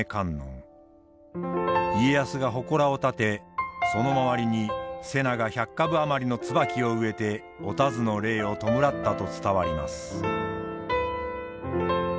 家康がほこらを建てその周りに瀬名が１００株余りの椿を植えてお田鶴の霊を弔ったと伝わります。